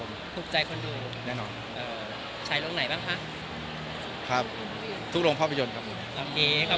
ภูมิใจคนดูใช้ลงไหนบ้างคะครับทุกลงภาพยนตร์ขอบคุณครับ